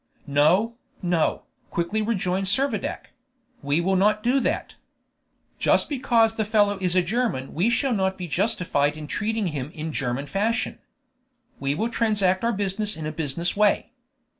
"No, no," quickly rejoined Servadac; "we will not do that. Just because the fellow is a German we shall not be justified in treating him in German fashion. We will transact our business in a business way.